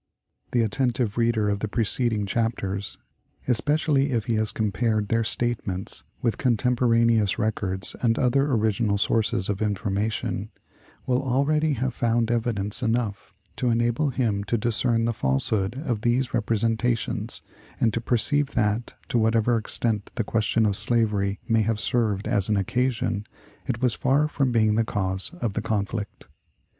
The attentive reader of the preceding chapters especially if he has compared their statements with contemporaneous records and other original sources of information will already have found evidence enough to enable him to discern the falsehood of these representations, and to perceive that, to whatever extent the question of slavery may have served as an occasion, it was far from being the cause of the conflict.